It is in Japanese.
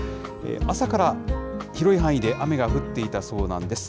朝から広い範囲で雨が降っていたそうなんです。